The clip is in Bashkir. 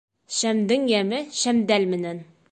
Шәмдең йәме шәмдәл менән.